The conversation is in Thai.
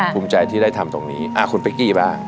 ภูมิใจที่ได้ทำตรงนี้คุณเป๊กกี้บ้าง